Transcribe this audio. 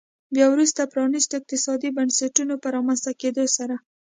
بیا وروسته پرانیستو اقتصادي بنسټونو په رامنځته کېدو سره.